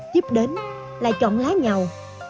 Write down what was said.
tiếp đến là chọn lá nhầu